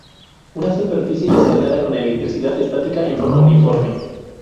Una superficie es cargada con electricidad estática en forma uniforme.